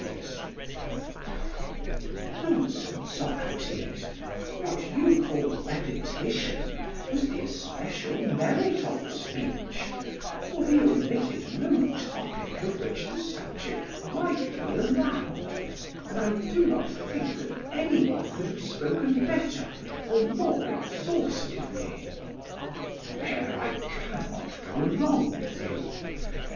PHAEDRUS: Nonsense, Socrates; what you call repetition was the especial merit of the speech; for he omitted no topic of which the subject rightly allowed, and I do not think that any one could have spoken better or more exhaustively. SOCRATES: There I cannot go along with you.